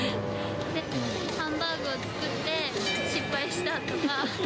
ハンバーグを作って、失敗したとか。